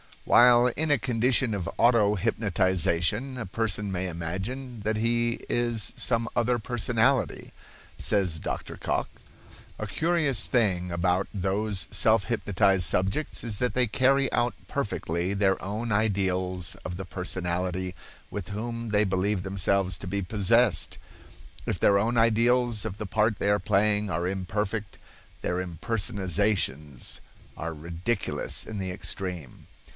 While in a condition of auto hypnotization a person may imagine that he is some other personality. Says Dr. Cocke: "A curious thing about those self hypnotized subjects is that they carry out perfectly their own ideals of the personality with whom they believe themselves to be possessed. If their own ideals of the part they are playing are imperfect, their impersonations are ridiculous in the extreme.